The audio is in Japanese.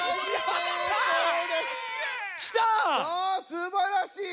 すばらしい！